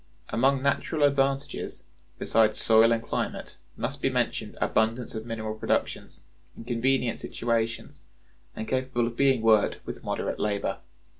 Among natural advantages, besides soil and climate, must be mentioned abundance of mineral productions, in convenient situations, and capable of being worked with moderate labor.